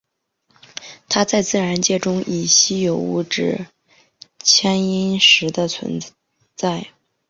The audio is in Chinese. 它在自然界中以稀有矿物羟铟石的形式存在。